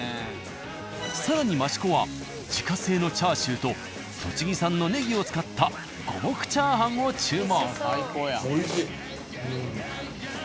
更に益子は自家製のチャーシューと栃木産のネギを使った五目チャーハンを注文。